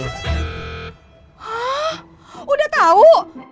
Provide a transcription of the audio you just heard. hah udah tau